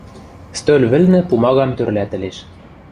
Стӧл вӹлнӹ пумагам тӧрлӓтӹлеш.